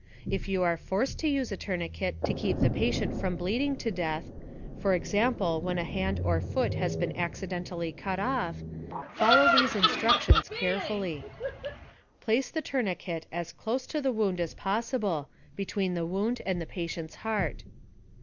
If you are forced to use a tourniquet to keep the patient from bleeding to death (for example, when a hand or foot has been accidentally cut off), follow these instructions carefully: Place the tourniquet as close to the wound as possible, between the wound and the patient's heart.